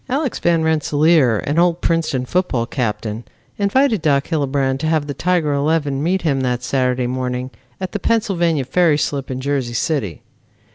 Alex Van Rensselaer, an old Princeton football captain, invited Doc Hillebrand to have the Tiger eleven meet him that Saturday morning at the Pennsylvania Ferry slip in Jersey City.